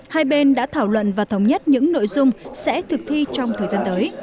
hai bên đã thảo luận và thống nhất những nội dung sẽ thực thi trong thời gian tới